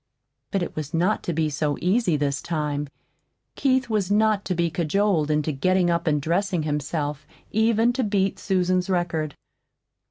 But it was not to be so easy this time. Keith was not to be cajoled into getting up and dressing himself even to beat Susan's record.